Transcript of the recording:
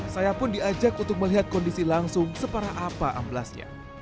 saya pun diajak untuk melihat kondisi langsung separah apa amblasnya